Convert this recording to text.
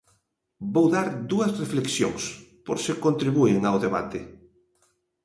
Vou dar dúas reflexións, por se contribúen ao debate.